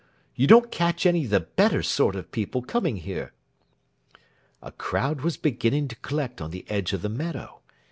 You don't catch any of the better sort of people coming here." A crowd was beginning to collect on the edge of the meadow.